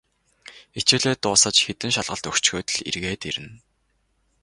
Хичээлээ дуусаж, хэдэн шалгалт өгчхөөд л эргээд ирнэ.